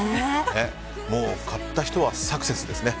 買った人はサクセスですね。